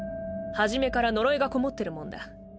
初めから呪いがこもってるもんだ。